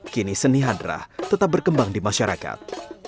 kini seni hadrah tetap berkembang di masyarakat